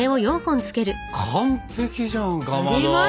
完璧じゃんかまど。